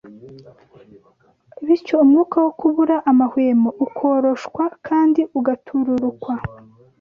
bityo umwuka wo kubura amahwemo ukoroshwa kandi ugatururukwa